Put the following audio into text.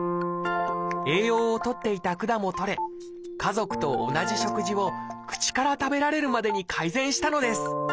栄養をとっていた管も取れ家族と同じ食事を口から食べられるまでに改善したのです。